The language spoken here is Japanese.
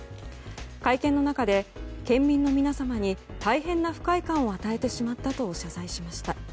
会見の中で、県民の皆様に大変な不快感を与えてしまったと謝罪しました。